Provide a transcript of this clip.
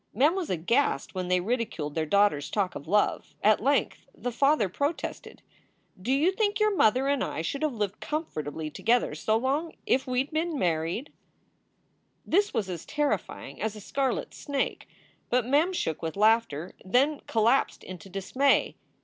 Mem was aghast when they ridiculed their daughter s talk of love; at length the father protested, "Do you think your mother and I should have lived comfortably together GO long if we d been married?" 342 SOULS FOR SALE This was as terrifying as a scarlet snake, but Mem shook with laughter, then collapsed into dismay.